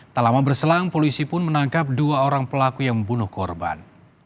tak lama berselang polisi pun menangkap dua orang pelaku yang membunuh korban